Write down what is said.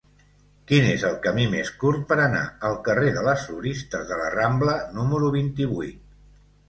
Quin és el camí més curt per anar al carrer de les Floristes de la Rambla número vint-i-vuit?